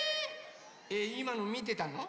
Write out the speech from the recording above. いまのみてたの？